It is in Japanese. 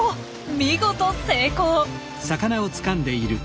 見事成功。